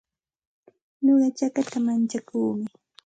Nuqa chakata mantsakuumi.